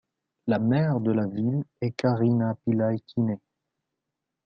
La maire de la ville est Karina Pillay-Kinnee.